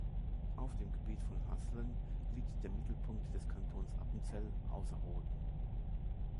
Auf dem Gebiet von Haslen liegt der Mittelpunkt des Kantons Appenzell Ausserrhoden.